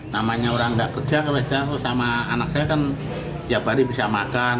namanya orang nggak kerja sama anaknya kan tiap hari bisa makan